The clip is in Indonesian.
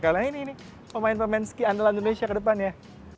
kalian ini pemain pemain ski andalan indonesia ke depan ya